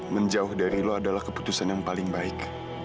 menjauh dari lo adalah keputusan yang paling baik